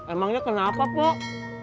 emangnya kenapa pok